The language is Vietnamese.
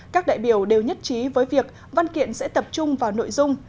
các đại biểu đều nhất trí với việc văn kiện sẽ tập trung vào nội dung